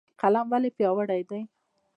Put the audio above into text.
قلم ولې پیاوړی دی؟